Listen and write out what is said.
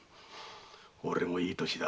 おれもいい年だ。